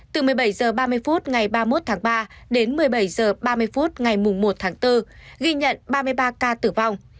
từ một mươi bảy h ba mươi phút ngày ba mươi một tháng ba đến một mươi bảy h ba mươi phút ngày một tháng bốn ghi nhận ba mươi ba ca tử vong